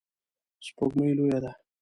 سپوږمۍ لویه ده